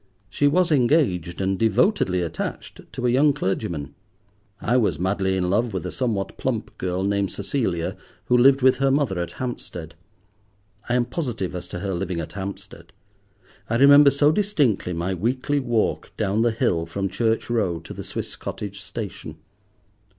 She was engaged, and devotedly attached, to a young clergyman; I was madly in love with a somewhat plump girl named Cecilia who lived with her mother at Hampstead. I am positive as to her living at Hampstead. I remember so distinctly my weekly walk down the hill from Church Row to the Swiss Cottage station.